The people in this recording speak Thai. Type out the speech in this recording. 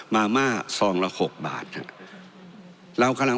มาม่า๒ละ๖บาทฮะ